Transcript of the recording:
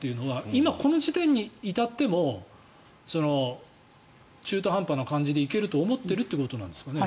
今この時点に至っても中途半端な気持ちで行けると思っているということなんですかね。